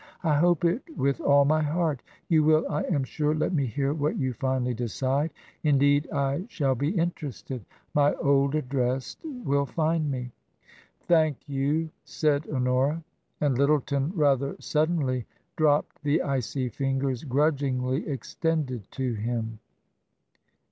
I hope it with all my heart. You will, I am sure, let me hear what you finally decide. Indeed, I shall be interested ! My old address will find me." " Thank you," said Honora. And Lyttleton rather suddenly dropped the icy fingers grudgingly extended to him.